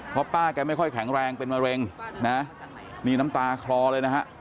เพราะป้าแกไม่ค่อยแข็งแรงเป็นมะเร็งนะนี่น้ำตาคลอเลยนะฮะ